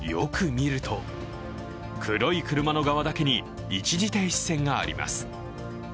よく見ると、黒い車の側だけに一時停止線があります。